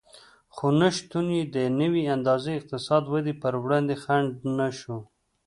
خو نشتون یې د یوې اندازې اقتصادي ودې پر وړاندې خنډ نه شو